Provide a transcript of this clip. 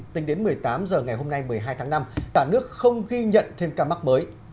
tính đến một mươi tám h ngày hôm nay một mươi hai tháng năm cả nước không ghi nhận thêm ca mắc mới